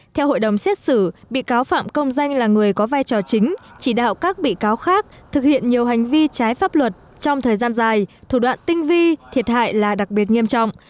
theo hội đồng xét xử bị cáo phạm công danh là người có vai trò chính chỉ đạo các bị cáo khác thực hiện nhiều hành vi trái pháp luật trong thời gian dài thủ đoạn tinh vi thiệt hại là đặc biệt nghiêm trọng